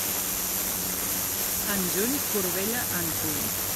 En juny, corbella en puny.